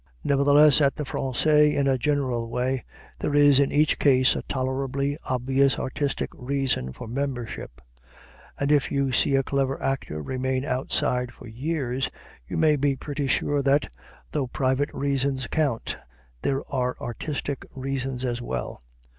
Nevertheless, at the Français, in a general way, there is in each case a tolerably obvious artistic reason for membership; and if you see a clever actor remain outside for years, you may be pretty sure that, though private reasons count, there are artistic reasons as well.